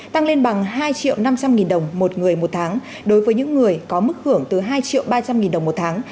tăng lên bằng hai triệu năm trăm linh nghìn đồng một người một tháng đối với những người có mức hưởng từ hai triệu ba trăm linh nghìn đồng một tháng